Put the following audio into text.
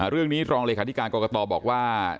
เรื่องนี้รองเลขาธิการกรกตบอกว่า